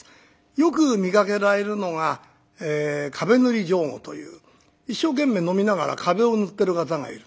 よく見かけられるのが壁塗り上戸という一生懸命飲みながら壁を塗ってる方がいる。